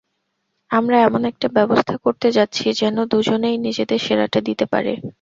আমরা এমন একটা ব্যবস্থা করতে যাচ্ছি যেন দুজনেই নিজেদের সেরাটা দিতে পারে।